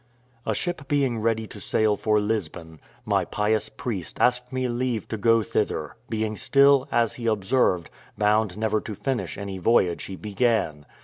A ship being ready to sail for Lisbon, my pious priest asked me leave to go thither; being still, as he observed, bound never to finish any voyage he began.